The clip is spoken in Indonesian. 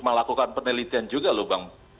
melakukan penelitian juga loh bang